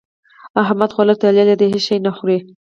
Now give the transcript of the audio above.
احمد خوله تړلې ده؛ هيڅ شی نه خوري.